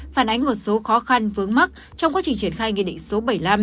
phản ánh một số khó khăn vướng mắt trong quá trình triển khai nghị định số bảy mươi năm